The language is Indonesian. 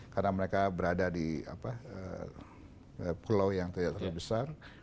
karena mereka berada di pulau yang terlalu besar